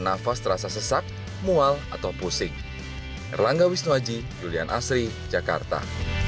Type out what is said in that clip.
nafas terasa sesak mual atau pusing erlangga wisnuaji julian asri jakarta